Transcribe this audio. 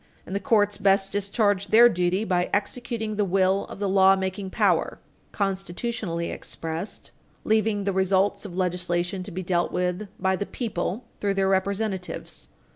And the courts best discharge their duty by executing the will of the lawmaking power, constitutionally expressed, leaving the results of legislation to be dealt with by the people through their representatives.